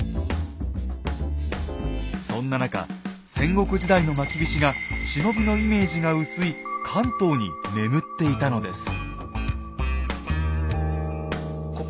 そんな中戦国時代のまきびしが忍びのイメージが薄い関東に眠っていたのです。